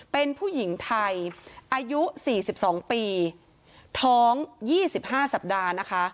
เป็นผู้หญิงไทยอายุสี่สิบสองปีท้องยี่สิบห้าสัปดาห์นะคะ